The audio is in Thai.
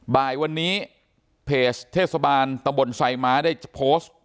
บ่ายวันนี้เพจเทศบาลตะบนไซม้าได้โพสต์